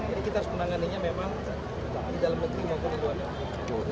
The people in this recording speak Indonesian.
jadi kita harus menangannya memang di dalam negeri maupun di luar negeri